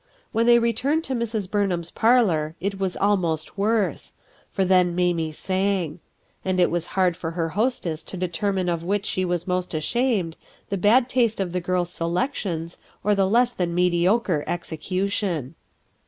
When they returned to Mrs. Burnliam's parlor it was almost worse — for then Mamie sang; and it was hard for her hostess to determine of which she was most ashamed, the bad taste of the girl's selections or the less than mediocre execution.